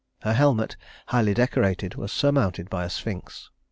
Her helmet, highly decorated, was surmounted by a sphinx.